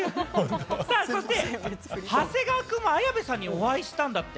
そして長谷川くんも綾部さんにお会いしたんだって？